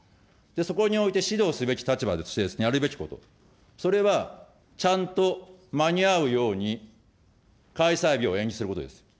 そこにおいて、指導すべき立場としてやるべきこと、それはちゃんと間に合うように、開催日を延期することです。